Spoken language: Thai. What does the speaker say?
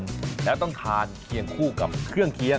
ที่เราบอกว่ามีหลายอย่างไม่ได้มีแต่กะปิอย่างเดียว